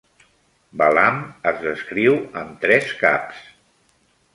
Balam es descriu amb tres caps.